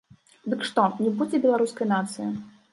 Дык што, не будзе беларускай нацыі?